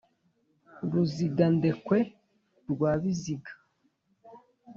ruzingandekwe rwa biziga